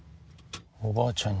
おばあちゃん